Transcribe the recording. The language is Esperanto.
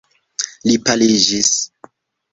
Li paliĝis.